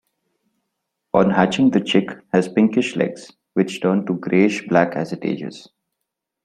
On hatching the chick has pinkish legs, which turn to greyish-black as it ages.